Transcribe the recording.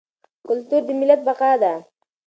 کلتور د ملت بقا ده.